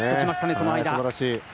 その間。